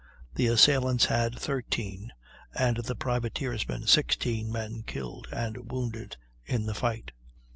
The assailants had 13, and the privateersmen 16 men killed and wounded in the fight.